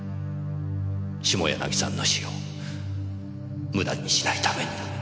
下柳さんの死を無駄にしないためにも。